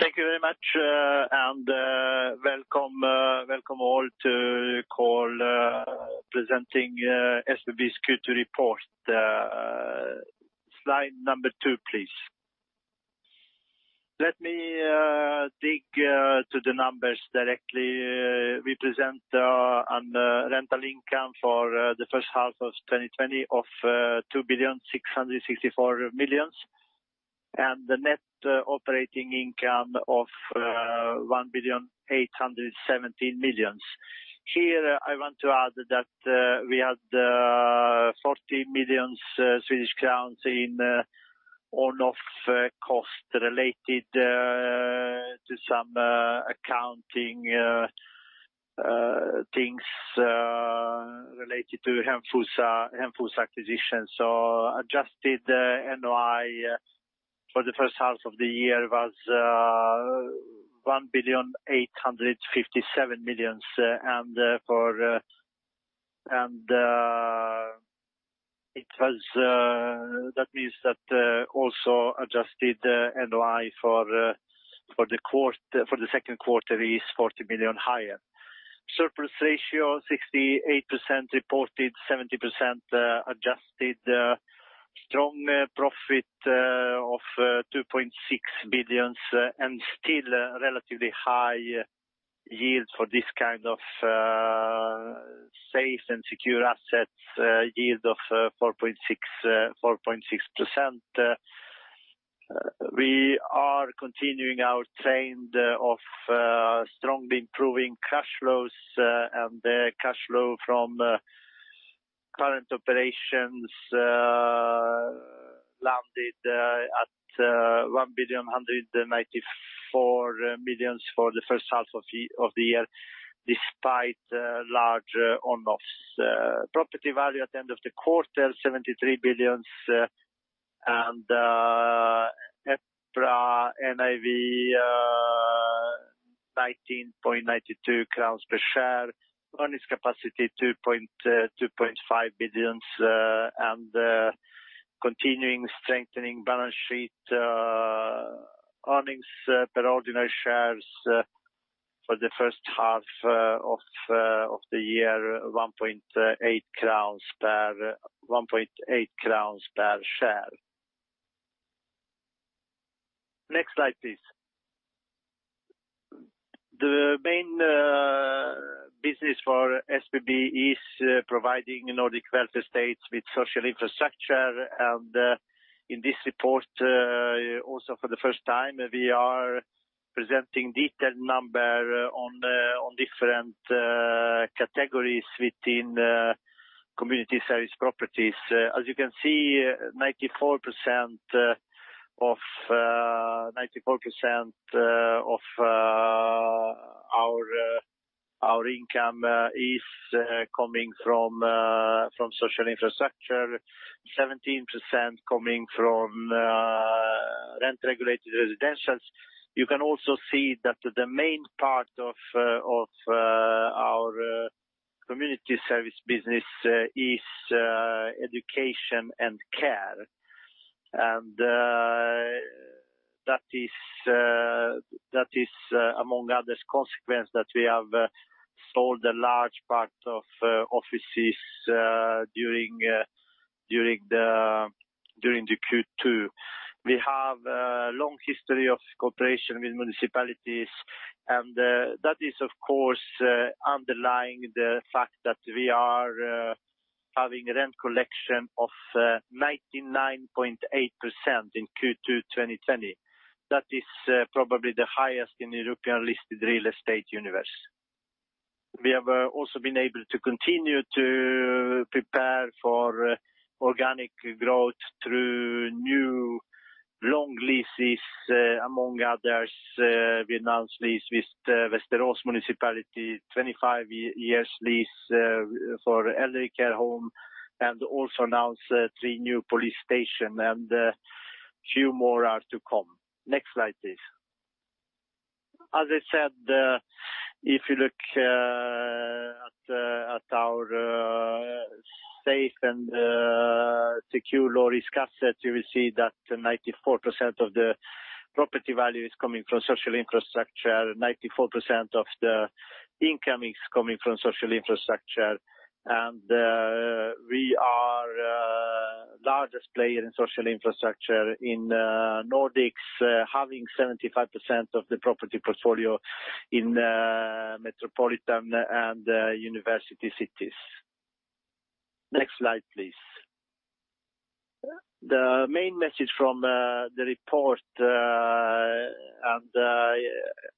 Thank you very much, welcome all to call presenting SBB Q2 report. Slide number two, please. Let me dig to the numbers directly. We present on rental income for the first half of 2020 of 2,664,000,000. The net operating income of 1,817,000,000. Here I want to add that we had 40 million Swedish crowns in one-off cost related to some accounting things related to Hemfosa acquisition. Adjusted NOI for the first half of the year was SEK 1,857,000,000. That means that also adjusted NOI for the second quarter is 40 million higher. Surplus ratio 68% reported, 70% adjusted. Strong profit of 2.6 billion and still relatively high yield for this kind of safe and secure assets yield of 4.6%. We are continuing our trend of strongly improving cash flows, and cash flow from current operations landed at 1,194,000,000 for the first half of the year, despite large one-offs. Property value at the end of the quarter, 73 billion and EPRA NAV 19.92 crowns per share. Earnings capacity 2.5 billion, and continuing strengthening balance sheet earnings per ordinary shares for the first half of the year 1.8 crowns per share. Next slide, please. The main business for SBB is providing Nordic welfare states with social infrastructure and in this report also for the first time, we are presenting detailed number on different categories within community service properties. As you can see, 94% of our income is coming from social infrastructure, 17% coming from rent-regulated residentials. You can also see that the main part of our community service business is education and care. That is among others consequence that we have sold a large part of offices during the Q2. We have a long history of cooperation with municipalities, that is of course underlying the fact that we are having rent collection of 99.8% in Q2 2020. That is probably the highest in European listed real estate universe. We have also been able to continue to prepare for organic growth through new long leases. Among others, we announced lease with Västerås Municipality, 25 years lease for elderly care home and also announced 3 new police station and few more are to come. Next slide, please. As I said, if you look at our safe and secure low-risk assets, you will see that 94% of the property value is coming from social infrastructure. 94% of the income is coming from social infrastructure. We are largest player in social infrastructure in Nordics, having 75% of the property portfolio in metropolitan and university cities. Next slide, please. The main message from the report, and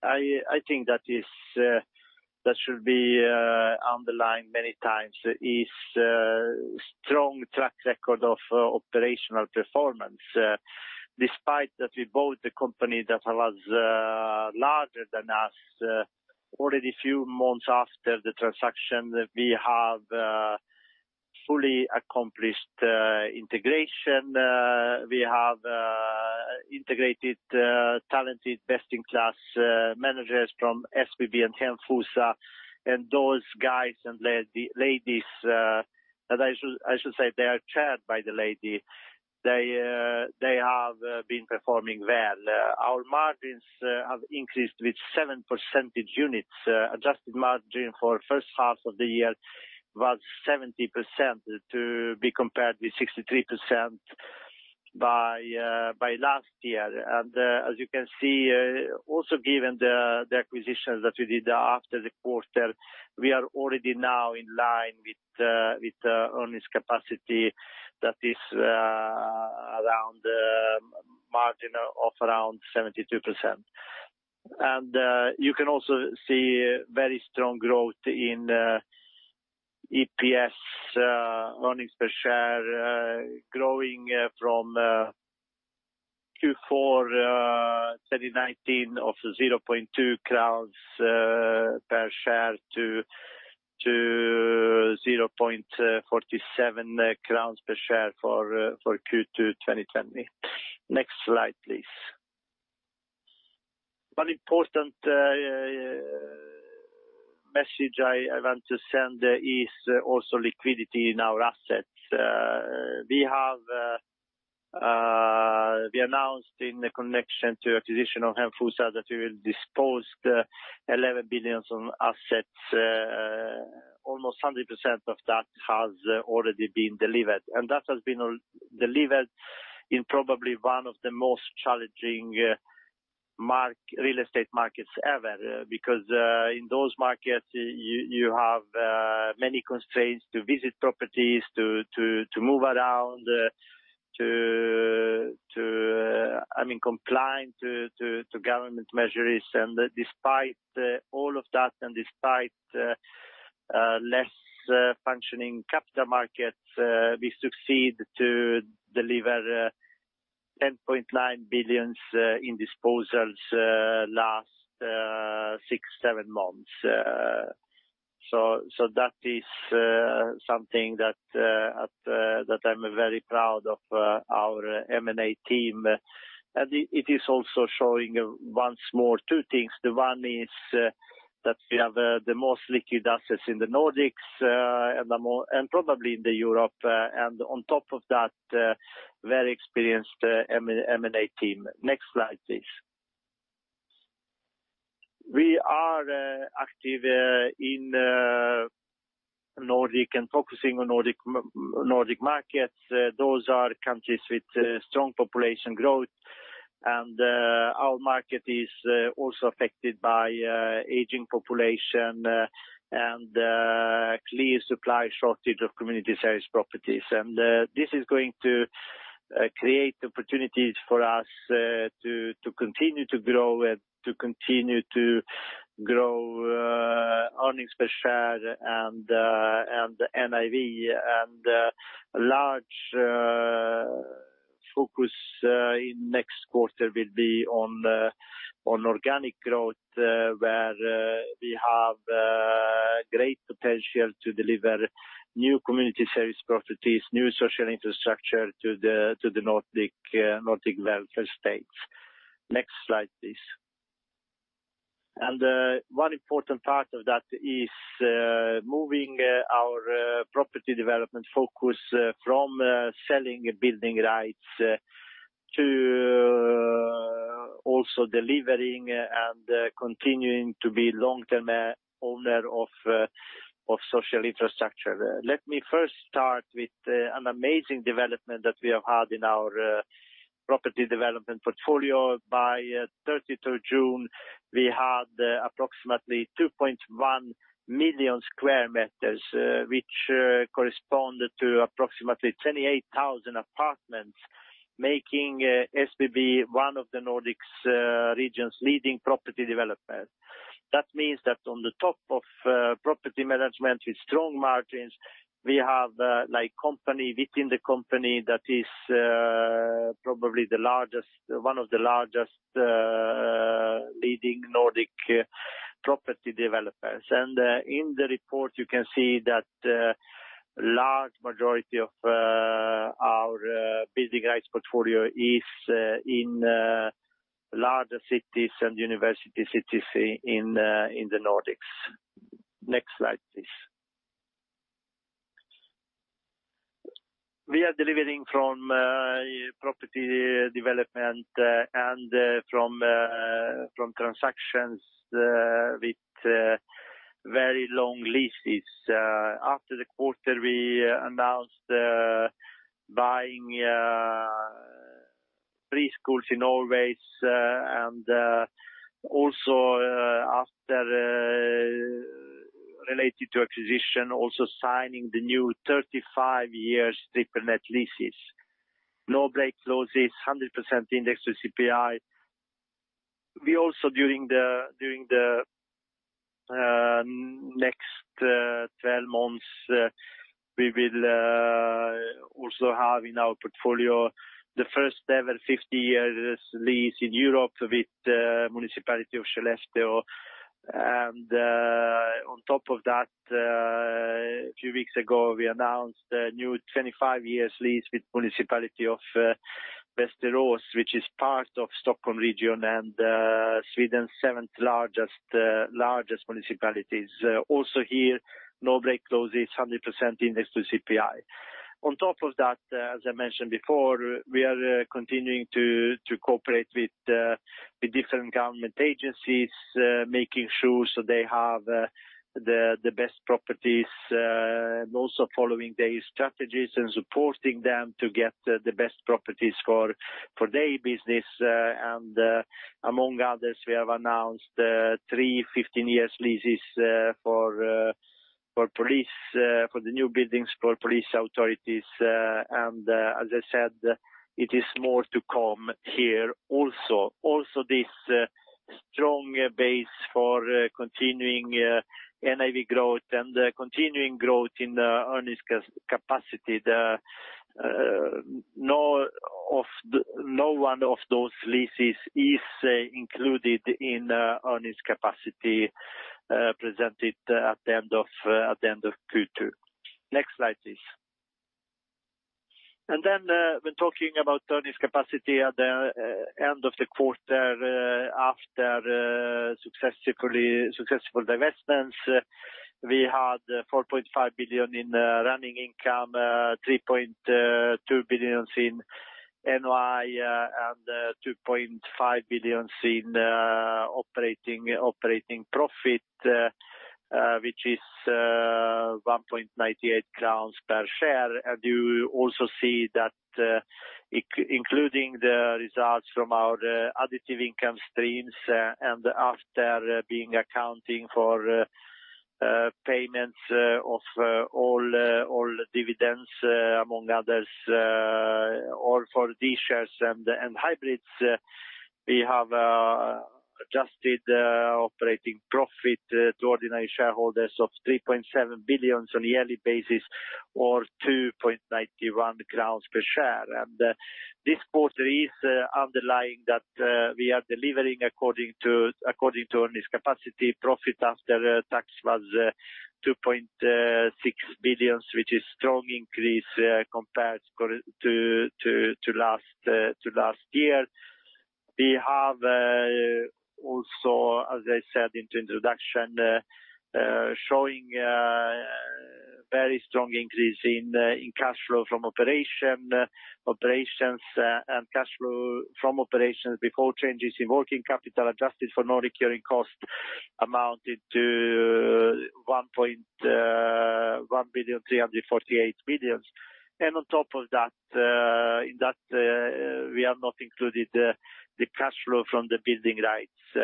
I think that should be underlined many times, is strong track record of operational performance. Despite that we bought a company that was larger than us already few months after the transaction, we have fully accomplished integration. We have integrated talented best-in-class managers from SBB and Hemfosa, and those guys and ladies, they are chaired by the lady. They have been performing well. Our margins have increased with seven percentage units. Adjusted margin for first half of the year was 70%, to be compared with 63% by last year. As you can see also, given the acquisitions that we did after the quarter, we are already now in line with earnings capacity that is around margin of around 72%. You can also see very strong growth in EPS, earnings per share, growing from Q4 2019 of 0.2 crowns per share to 0.47 crowns per share for Q2 2020. Next slide, please. One important message I want to send is also liquidity in our assets. We announced in the connection to acquisition of Hemfosa that we will dispose 11 billion in assets. Almost 100% of that has already been delivered, and that has been delivered in probably one of the most challenging real estate markets ever. In those markets, you have many constraints to visit properties, to move around, to comply to government measures. Despite all of that, and despite less functioning capital markets, we succeed to deliver 10.9 billion in disposals last six, seven months. That is something that I'm very proud of our M&A team. It is also showing once more two things. One is that we have the most liquid assets in the Nordics, and probably in Europe. On top of that, very experienced M&A team. Next slide, please. We are active in the Nordics and focusing on Nordic markets. Those are countries with strong population growth, and our market is also affected by aging population and clear supply shortage of community service properties. This is going to create opportunities for us to continue to grow earnings per share and NAV. Large focus in next quarter will be on organic growth, where we have great potential to deliver new community service properties, new social infrastructure to the Nordic welfare states. Next slide, please. One important part of that is moving our property development focus from selling building rights to also delivering and continuing to be long-term owner of social infrastructure. Let me first start with an amazing development that we have had in our property development portfolio. By 32 June, we had approximately 2.1 million sq m, which corresponded to approximately 28,000 apartments, making SBB one of the Nordics region's leading property developers. That means that on the top of property management with strong margins, we have company within the company that is probably one of the largest leading Nordic property developers. In the report, you can see that large majority of our building rights portfolio is in larger cities and university cities in the Nordics. Next slide, please. We are delivering from property development and from transactions with very long leases. After the quarter, we announced buying preschools in Norway, also signing the new 35 years triple net leases. No break clauses, 100% index to CPI. We also during the next 12 months, we will also have in our portfolio the first-ever 50-year lease in Europe with Skellefteå Municipality. On top of that, a few weeks ago, we announced a new 25-year lease with Västerås Municipality, which is part of Stockholm region and Sweden's seventh-largest municipalities. Also here, no break clauses, 100% indexed to CPI. On top of that, as I mentioned before, we are continuing to cooperate with the different government agencies, making sure so they have the best properties, and also following their strategies and supporting them to get the best properties for their business. Among others, we have announced three 15-year leases for the new buildings for police authorities. As I said, it is more to come here also. This is also a strong base for continuing NAV growth and continuing growth in earnings capacity. No one of those leases is included in earnings capacity presented at the end of Q2. Next slide, please. When talking about earnings capacity at the end of the quarter after successful divestments, we had 4.5 billion in running income, 3.2 billion in NOI, and 2.5 billion in operating profit which is 1.98 crowns per share. You also see that including the results from our additive income streams and after being accounting for payments of all dividends among others or for D-shares and hybrids, we have adjusted operating profit to ordinary shareholders of 3.7 billion on a yearly basis or 2.91 crowns per share. This quarter is underlying that we are delivering according to earnings capacity profit after tax was 2.6 billion, which is strong increase compared to last year. We have also, as I said in the introduction, showing very strong increase in cash flow from operations and cash flow from operations before changes in working capital adjusted for non-recurring costs amounted to 1,348,000,000. On top of that, in that we have not included the cash flow from the building rights. We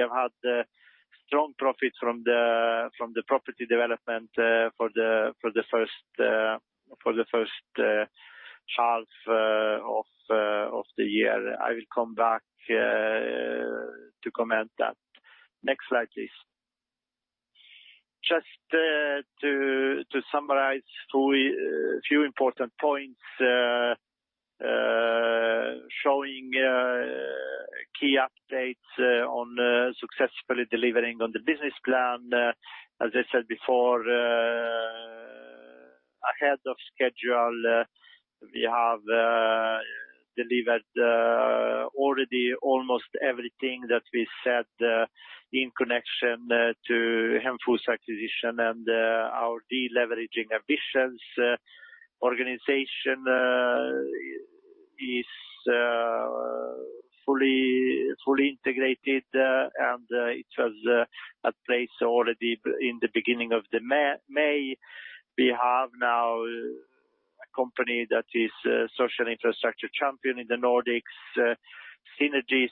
have had strong profits from the property development for the first half of the year. I will come back to comment that. Next slide, please. Just to summarize few important points showing key updates on successfully delivering on the business plan. As I said before, ahead of schedule we have delivered already almost everything that we said in connection to Hemfosa acquisition and our de-leveraging ambitions. Organization is fully integrated, and it was at place already in the beginning of May. We have now a company that is social infrastructure champion in the Nordics. Synergies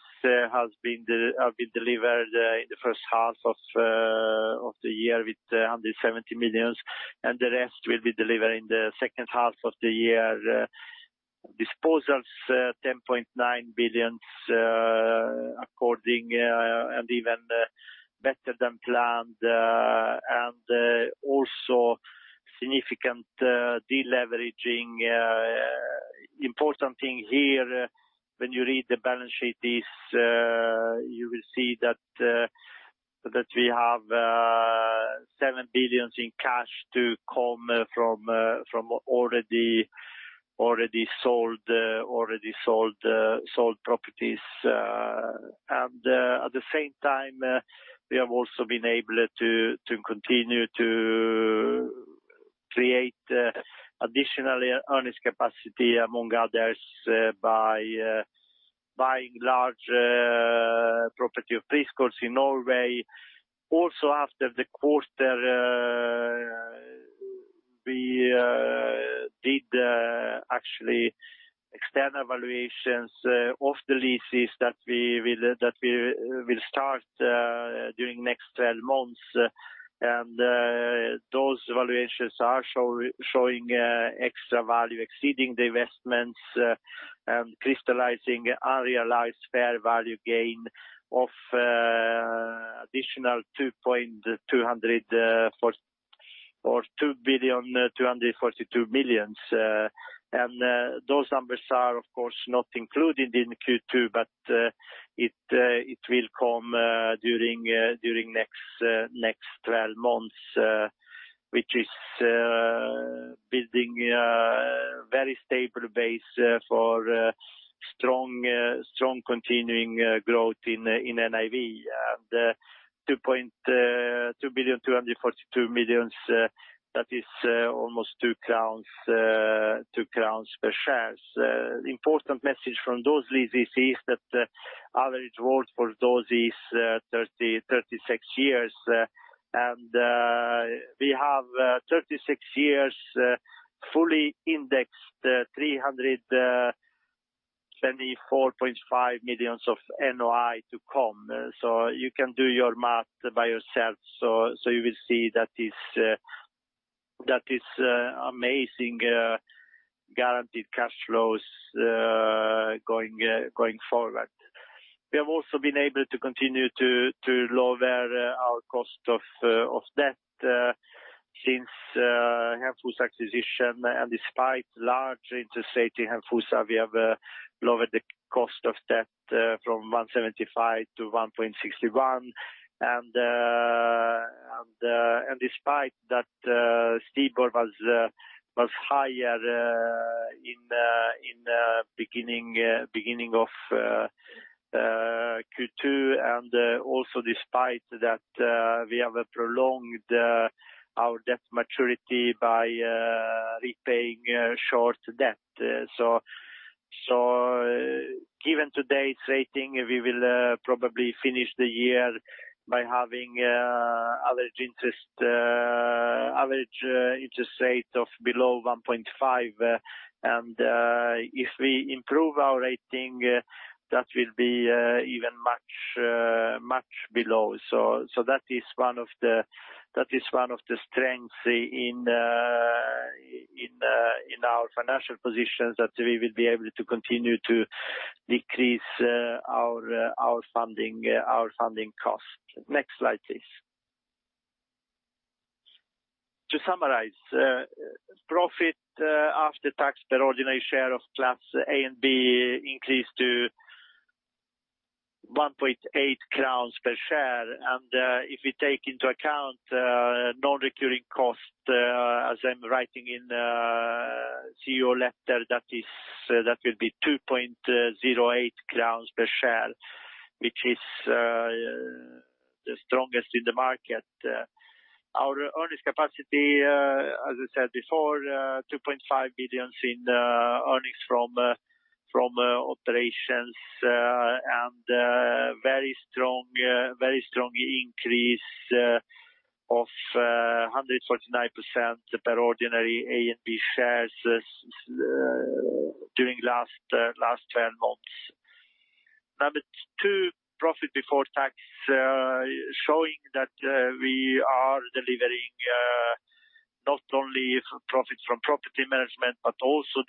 have been delivered in the first half of the year with 170 million, and the rest will be delivered in the second half of the year. Disposals, 10.9 billion according and even better than planned, and also significant de-leveraging. Important thing here when you read the balance sheet is you will see that we have 7 billion in cash to come from already sold properties. At the same time, we have also been able to continue to create additional earnings capacity among others by buying large property of Frigaard Property Group in Norway. Also after the quarter, we did actually external valuations of the leases that we will start during next 12 months. Those valuations are showing extra value exceeding the investments and crystallizing unrealized fair value gain of additional 2,242 million. Those numbers are, of course, not included in Q2. It will come during next 12 months, which is building a very stable base for strong continuing growth in NOI. 2.2 billion, 242 million, that is almost 2 crowns per share. The important message from those leases is that average hold for those is 36 years, and we have 36 years fully indexed 324.5 million of NOI to come. You can do your math by yourself. You will see that is amazing guaranteed cash flows going forward. We have also been able to continue to lower our cost of debt since Hemfosa acquisition and despite large interest rate in Hemfosa, we have lowered the cost of debt from 1.75% to 1.61%. Despite that, STIBOR was higher in beginning of Q2 and also despite that, we have prolonged our debt maturity by repaying short debt. Given today's rating, we will probably finish the year by having average interest rate of below 1.5. If we improve our rating, that will be even much below. That is one of the strengths in our financial positions that we will be able to continue to decrease our funding cost. Next slide, please. To summarize, profit after tax per ordinary share of Class A and B increased to 1.8 crowns per share. If we take into account non-recurring cost, as I'm writing in CEO letter, that will be 2.08 crowns per share, which is the strongest in the market. Our earnings capacity, as I said before, 2.5 billion in earnings from operations, and very strong increase of 149% per ordinary A and B shares during last 12 months. Number two, profit before tax, showing that we are delivering not only profits from property management, but also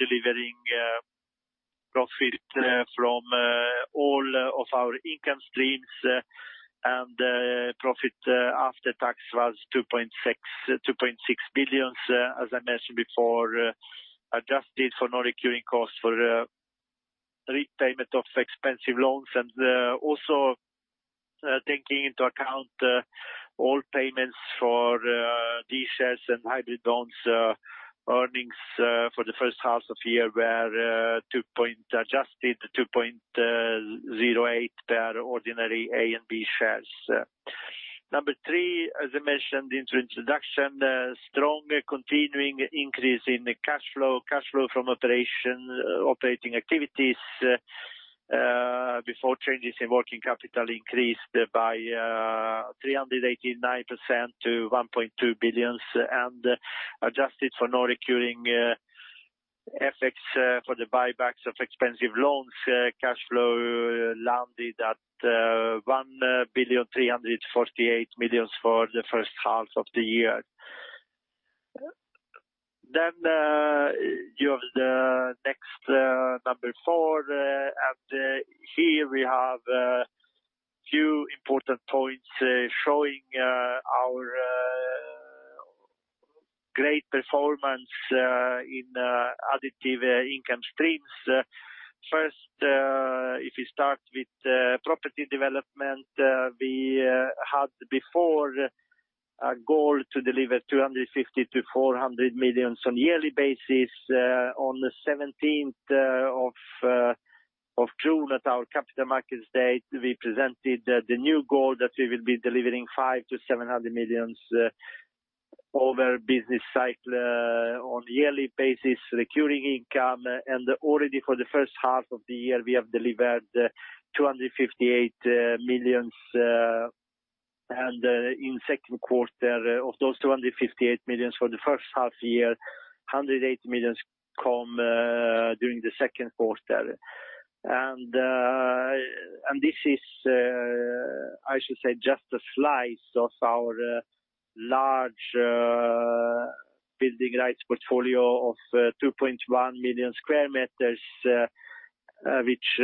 delivering profit from all of our income streams. Profit after tax was 2.6 billion, as I mentioned before, adjusted for non-recurring costs for repayment of expensive loans. Also taking into account all payments for D-shares and hybrid bonds, earnings for the first half of year were adjusted 2.08 per ordinary A and B shares. Number three, as I mentioned in the introduction, strong continuing increase in the cash flow from operating activities before changes in working capital increased by 389% to 1.2 billion, and adjusted for non-recurring effects for the buybacks of expensive loans, cash flow landed at 1.348 billion for the first half of year. You have the next, number four, and here we have a few important points showing our great performance in additive income streams. First, if you start with property development, we had before a goal to deliver 250 million to 400 million on yearly basis. On the 17th of June at our capital markets day, we presented the new goal that we will be delivering 500 million to 700 million over business cycle on yearly basis, recurring income. Already for the first half of the year, we have delivered 258 million. In second quarter of those 258 million for the first half year, 108 million come during the second quarter. This is, I should say, just a slice of our large building rights portfolio of 2.1 million sq m, which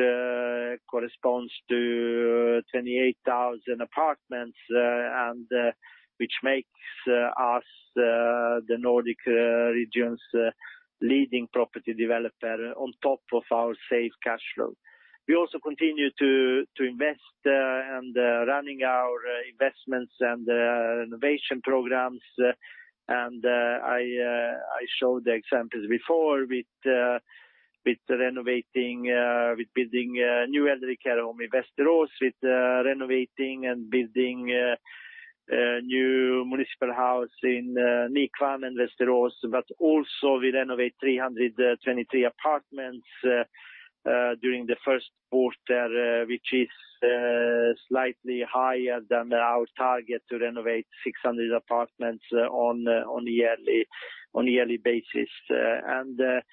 corresponds to 28,000 apartments, and which makes us the Nordic region's leading property developer on top of our safe cash flow. We also continue to invest and running our investments and innovation programs. I showed the examples before with renovating, with building new elderly care home in Västerås, with renovating and building new municipal house in Nykvarn and Västerås. Also, we renovate 323 apartments during the first quarter, which is slightly higher than our target to renovate 600 apartments on a yearly basis.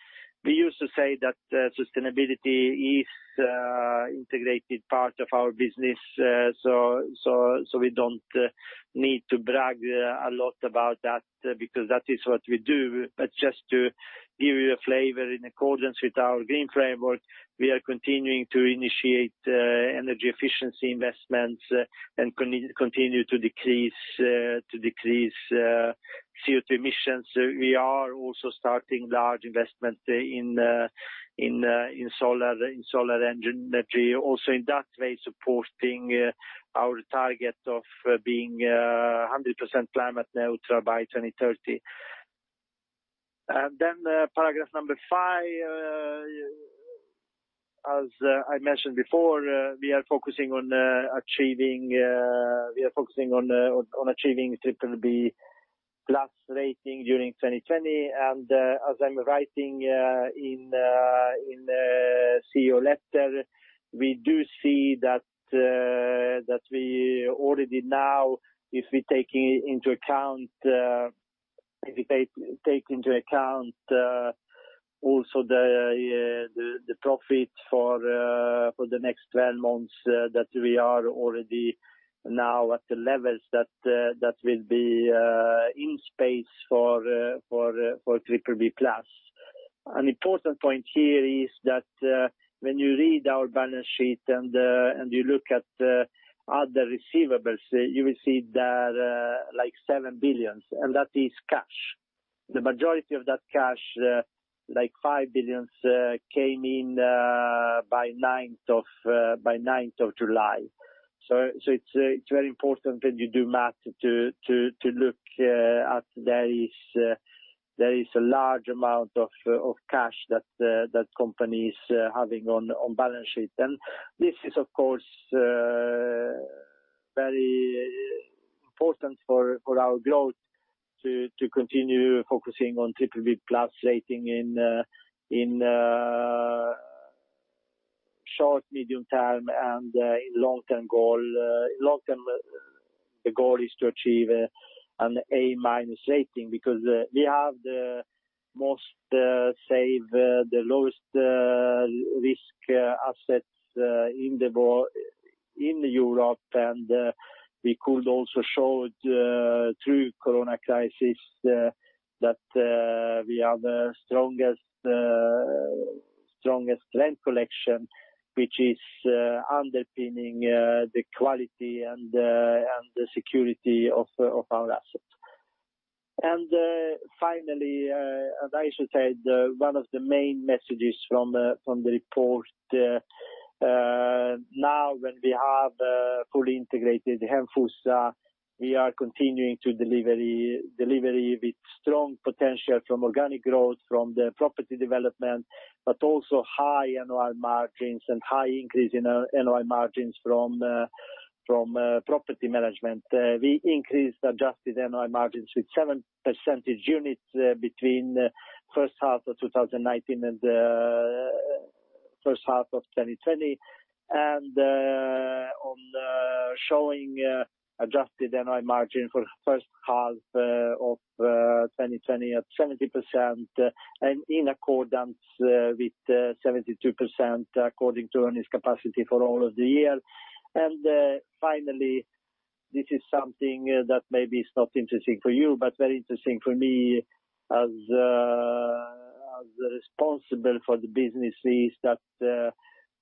We used to say that sustainability is integrated part of our business. We don't need to brag a lot about that because that is what we do. Just to give you a flavor in accordance with our green framework, we are continuing to initiate energy efficiency investments and continue to decrease CO2 emissions. We are also starting large investment in solar energy also in that way supporting our target of being 100% climate neutral by 2030. Paragraph number 5, as I mentioned before, we are focusing on achieving BBB+ rating during 2020. As I'm writing in CEO letter, we do see that we already now, if we take into account also the profit for the next 12 months, that we are already now at the levels that will be in space for BBB+. An important point here is that when you read our balance sheet and you look at other receivables, you will see that like 7 billion, and that is cash. The majority of that cash, like 5 billion, came in by 9th of July. It's very important when you do math to look at there is a large amount of cash that company is having on balance sheet. This is of course very important for our growth to continue focusing on BBB+ rating in short, medium term, and long-term goal. Long-term goal is to achieve an A- rating because we have the most safe, the lowest risk assets in Europe. We could also show through the COVID-19 crisis that we are the strongest rent collection, which is underpinning the quality and the security of our assets. Finally, as I should say, the one of the main messages from the report, now when we have fully integrated Heimstaden, we are continuing to deliver with strong potential from organic growth from the property development, but also high NOI margins and high increase in our NOI margins from property management. We increased adjusted NOI margins with seven percentage units between first half of 2019 and first half of 2020. On showing adjusted NOI margin for first half of 2020 at 70% and in accordance with 72% according to earnings capacity for all of the year. Finally, this is something that maybe is not interesting for you, but very interesting for me as responsible for the businesses that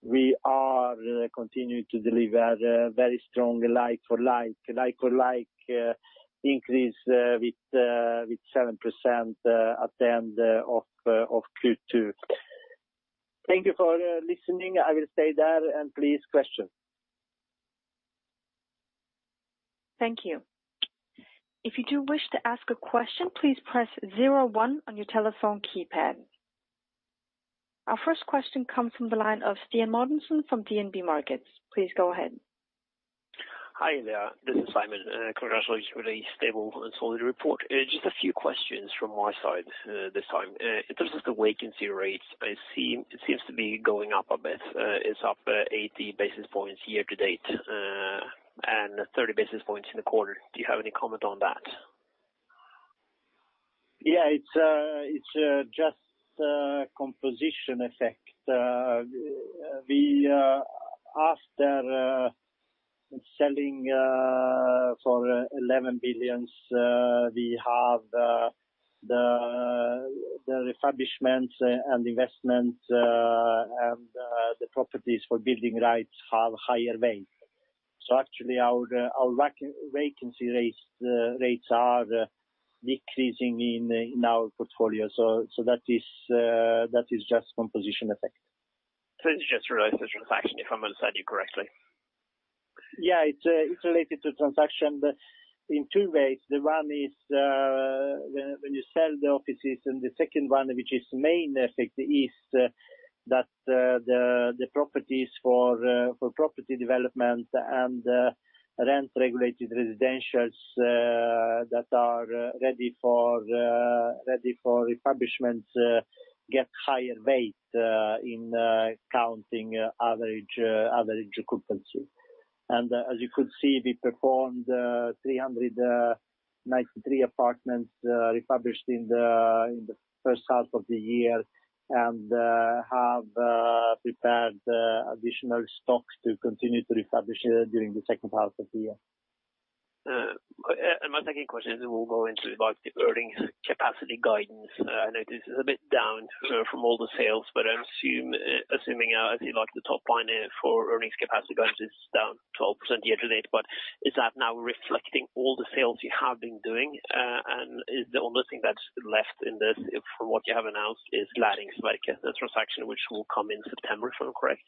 we are continuing to deliver very strong like-for-like increase with 7% at the end of Q2. Thank you for listening. I will stay there and please question. Thank you. If you do wish to ask a question, please press zero one on your telephone keypad. Our first question comes from the line of Simen Mortensen from DNB Markets. Please go ahead. Hi there. This is Simen. Congratulations for the stable and solid report. Just a few questions from my side this time. In terms of the vacancy rates, it seems to be going up a bit. It's up 80 basis points year-to-date, and 30 basis points in the quarter. Do you have any comment on that? Yeah, it's just composition effect. After selling for SEK 11 billion, we have the refurbishments and investment, and the properties for building rights have higher rent. Actually our vacancy rates are decreasing in our portfolio. That is just composition effect. It's just related to the transaction if I'm understanding you correctly? Yeah, it's related to transaction, but in two ways. One is when you sell the offices, and the second one, which is main effect, is that the properties for property development and rent-regulated residentials that are ready for refurbishment get higher weight in counting average occupancy. As you could see, we performed 393 apartments refurbished in the first half of the year and have prepared additional stocks to continue to refurbish during the second half of the year. My second question will go into the earnings capacity guidance. I know this is a bit down from all the sales, but I'm assuming, as you like the top line for earnings capacity guidance is down 12% year to date. Is that now reflecting all the sales you have been doing? The only thing that's left in this from what you have announced is Laeringsverkstedet, the transaction which will come in September, if I'm correct.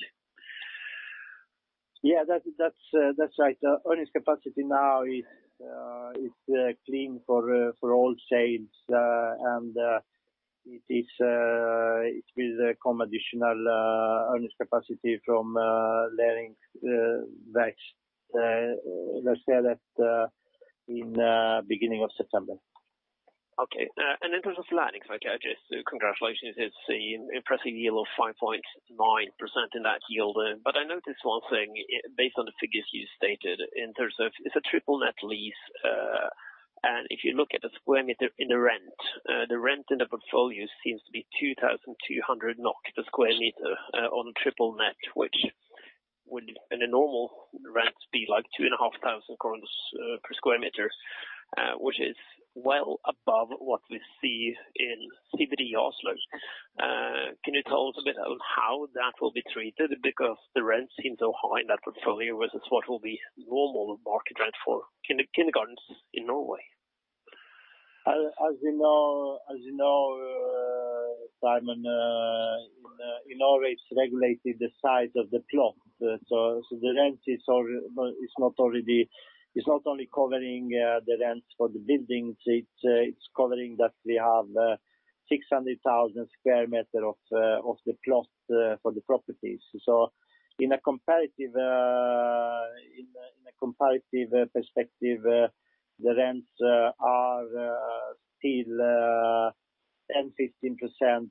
Yeah, that's right. Earnings capacity now is clean for all sales, and it will come additional earnings capacity from Laeringsverkstedet. Let's say that in beginning of September. Okay. In terms of Laeringsverkstedet, just congratulations. It's an impressive yield of 5.9% in that yield. I noticed one thing based on the figures you stated in terms of it's a triple net lease. If you look at the square meter in the rent, the rent in the portfolio seems to be 2,200 NOK the square meter on triple net, which would in a normal rent be like 2,500 per square meter, which is well above what we see in CBD Oslo. Can you tell us a bit on how that will be treated? The rent seems so high in that portfolio versus what will be normal market rent for kindergartens in Norway. As you know, Simon, in Norway, it's regulated the size of the plot. The rent is not only covering the rent for the buildings, it's covering that we have 600,000 sq m of the plot for the properties. In a comparative perspective, the rents are still 10%-15%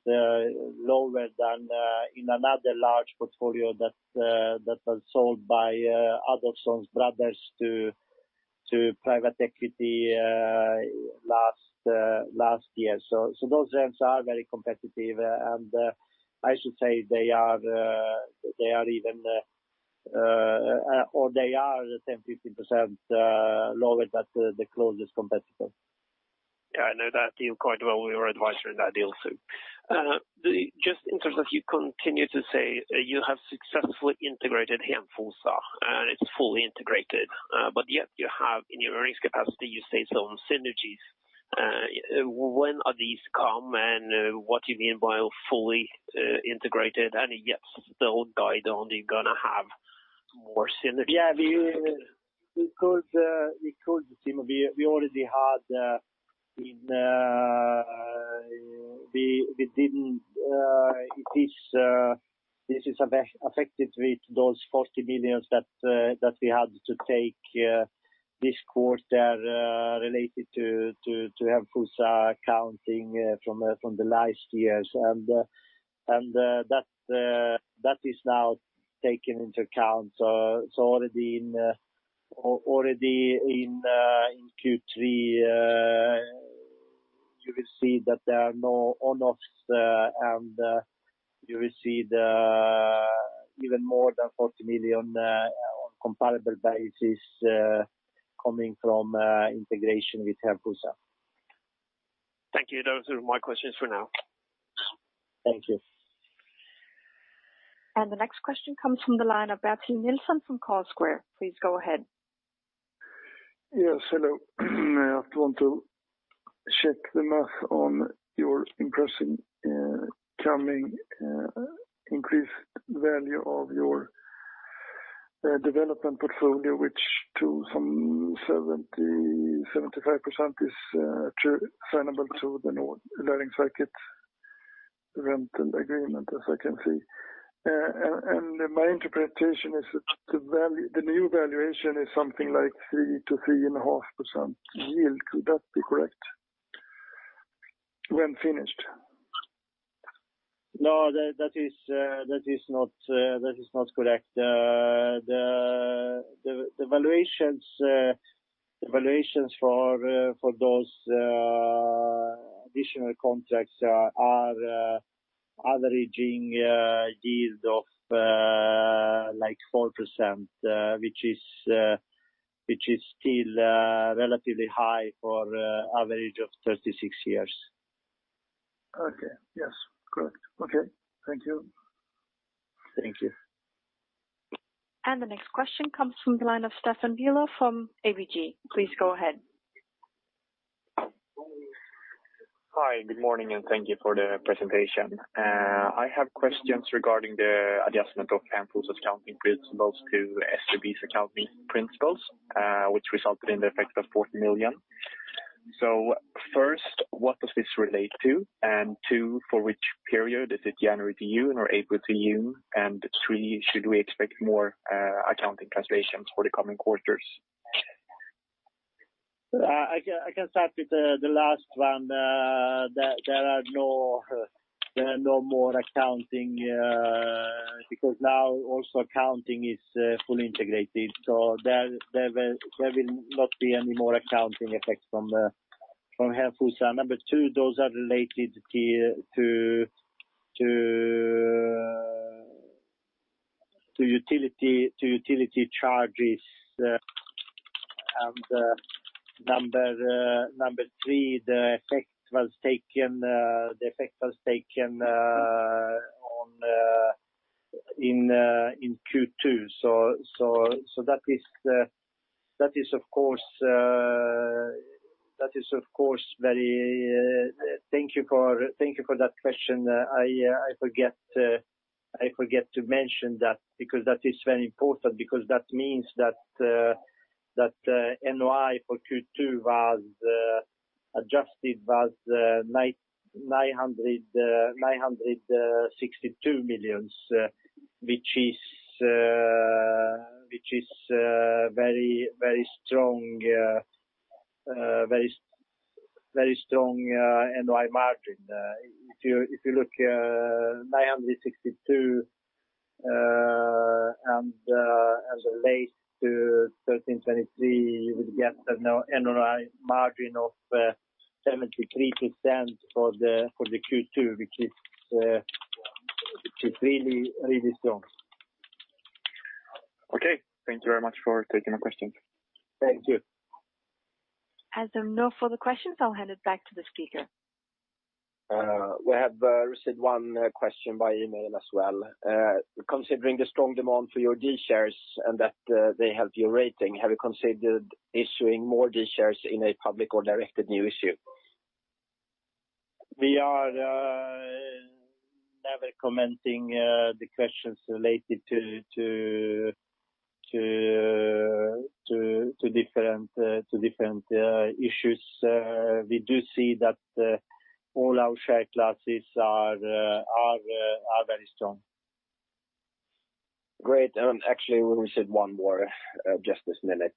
lower than in another large portfolio that was sold by Adolfsson brothers to private equity last year. Those rents are very competitive, and I should say they are 10%-15% lower than the closest competitor. Yeah, I know that deal quite well. We were advisor in that deal, too. Just in terms of you continue to say you have successfully integrated Hemfosa, and it's fully integrated. Yet you have in your earnings capacity, you say some synergies. When are these come, and what do you mean by fully integrated? Yet the whole guide only going to have more synergies. Yeah. This is affected with those 40 million that we had to take this quarter related to Hemfosa accounting from the last years. That is now taken into account. Already in Q3, you will see that there are no one-offs, and you will see even more than 40 million on comparable basis coming from integration with Hemfosa. Thank you. Those are my questions for now. Thank you. The next question comes from the line of Bertil Nilsson from Carlsquare. Please go ahead. Yes, hello. I want to check the math on your impressing coming increased value of your development portfolio, which to some 70%, 75% is assignable to the Laeringsverkstedet's rental agreement, as I can see. My interpretation is that the new valuation is something like 3% to 3.5% yield. Could that be correct when finished? No, that is not correct. The valuations for those additional contracts are averaging yield of 4%, which is still relatively high for average of 36 years. Okay. Yes, correct. Okay, thank you. Thank you. The next question comes from the line of Stefan Bilo from ABG. Please go ahead. Hi, good morning, and thank you for the presentation. I have questions regarding the adjustment of Hemfosa's accounting principles to SBB's accounting principles, which resulted in the effect of 40 million. First, what does this relate to? Two, for which period, is it January to June or April to June? Three, should we expect more accounting translations for the coming quarters? I can start with the last one. There are no more accounting, because now also accounting is fully integrated, there will not be any more accounting effects from Hemfosa. Number two, those are related to utility charges. Number three, the effect was taken in Q2. That is, of course, thank you for that question. I forget to mention that, because that is very important, because that means that NOI for Q2 was adjusted, was 962 million, which is very strong NOI margin. If you look 962 and relate to 1,323, you will get an NOI margin of 73% for the Q2, which is really strong. Okay. Thank you very much for taking the questions. Thank you. As there are no further questions, I'll hand it back to the speaker. We have received one question by email as well. Considering the strong demand for your D-shares and that they have your rating, have you considered issuing more D-shares in a public or directed new issue? We are never commenting the questions related to different issues. We do see that all our share classes are very strong. Great. Actually, we received one more just this minute.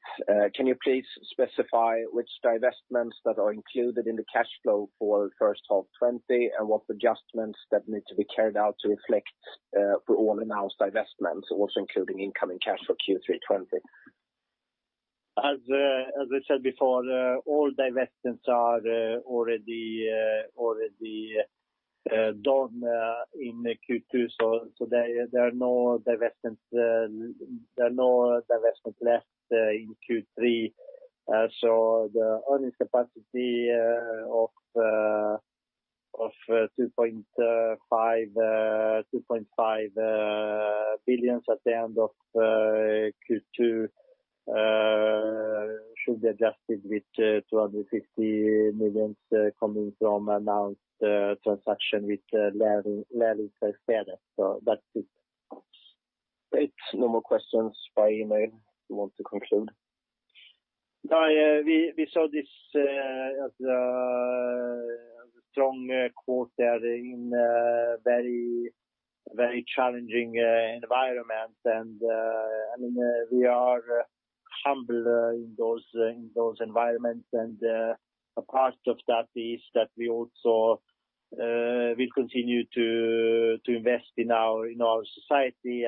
Can you please specify which divestments that are included in the cash flow for first half 2020, and what adjustments that need to be carried out to reflect all announced divestments, also including incoming cash for Q3 2020? As I said before, all divestments are already done in Q2, there are no divestments left in Q3. The earnings capacity of 2.5 billion at the end of Q2 should be adjusted with 250 million coming from announced transaction with Laeringsverkstedet. That's it. Great. No more questions by email. If you want to conclude. We saw this as a strong quarter in very challenging environment. We are humble in those environments. A part of that is that we also will continue to invest in our society.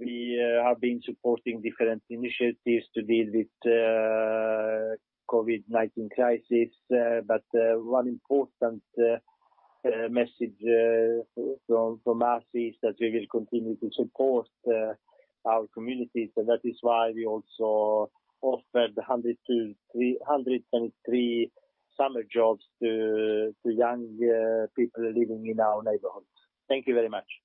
We have been supporting different initiatives to deal with COVID-19 crisis. One important message from us is that we will continue to support our communities, and that is why we also offered 103 summer jobs to young people living in our neighborhoods. Thank you very much.